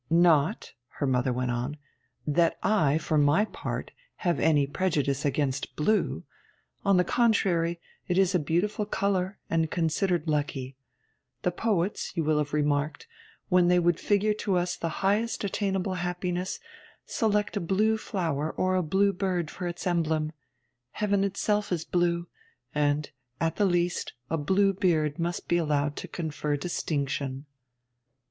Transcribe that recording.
Not,' her mother went on, 'that I, for my part, have any prejudice against blue. On the contrary, it is a beautiful colour, and considered lucky. The poets you will have remarked when they would figure to us the highest attainable happiness, select a blue flower or a blue bird for its emblem. Heaven itself is blue; and, at the least, a blue beard must be allowed to confer distinction.'